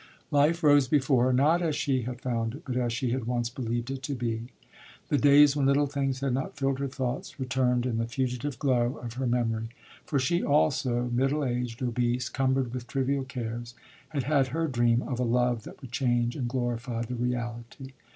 Life rose before her, not as she had found it, but as she had once believed it to be. The days when little things had not filled her thoughts returned in the fugitive glow of her memory for she, also, middle aged, obese, cumbered with trivial cares, had had her dream of a love that would change and glorify the reality.